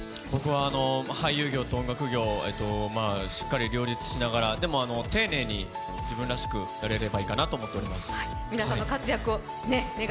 僕は俳優業と音楽業をしっかり両立しながらでも丁寧に自分らしくやれればいいかなと思っています。